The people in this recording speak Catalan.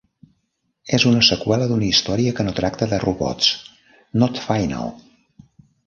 És una seqüela d'una història que no tracta de robots, "Not Final!".